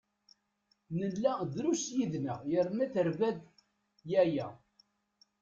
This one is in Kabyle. Nella drus yid-neɣ yerna terba-d yaya.